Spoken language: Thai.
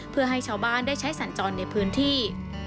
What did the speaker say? เพื่อให้ชาวบ้านได้ใช้สัญจรในพื้นที่